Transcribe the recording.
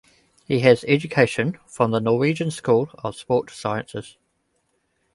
He has education from the Norwegian School of Sport Sciences.